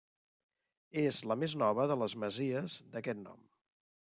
És la més nova de les masies d'aquest nom.